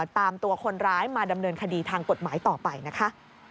ตามตัวคนร้ายมาดำเนินคดีทางกฎหมายต่อไปนะคะ